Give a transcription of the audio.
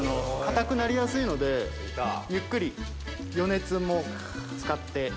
硬くなりやすいのでゆっくり余熱も使って。